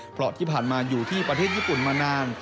เพราะที่ผ่านมาอยู่ที่ประเทศญี่ปุ่นมานาน